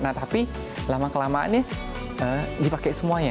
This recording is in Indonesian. nah tapi lama kelamaan nih dipakai semuanya